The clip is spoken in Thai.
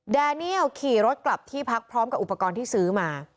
แดเนียลขี่รถกลับที่พักพร้อมกับอุปกรณ์ที่ซื้อมา